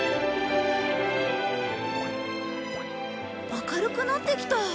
明るくなってきた。